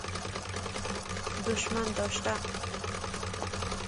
دشمن داشته